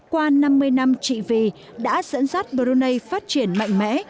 qua năm mươi năm trị vy đã dẫn dắt brunei phát triển mạnh mẽ